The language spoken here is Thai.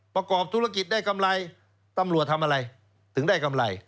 ประกอบธุรกิจได้กำไรตำรวจทำอะไรถึงได้กำไร